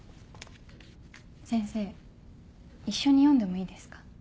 先生一緒に読んでもいいですか？